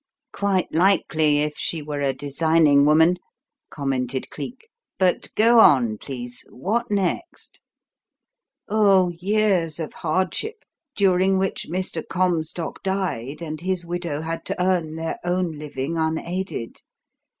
"Quite likely, if she were a designing woman," commented Cleek. "But go on, please. What next?" "Oh, years of hardship, during which Mr. Comstock died and his widow had to earn their own living unaided.